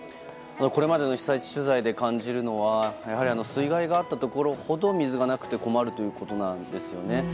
これまでの被災地取材で感じるのは水害があったところほど水がなくて困るということなんですよね。